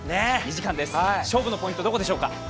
勝負のポイントどこでしょうか。